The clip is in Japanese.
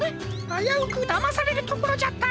あやうくだまされるところじゃった。